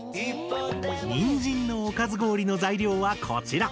「にんじんのおかず氷」の材料はこちら！